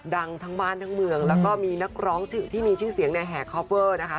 ดังทั้งบ้านทั้งเมืองแล้วก็มีนักร้องที่มีชื่อเสียงเนี่ยแห่คอฟเวอร์นะคะ